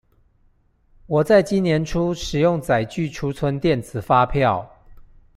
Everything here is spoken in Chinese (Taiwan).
我在今年初使用載具儲存電子發票